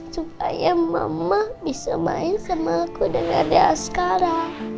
supaya mama bisa main sama aku dan adik asqara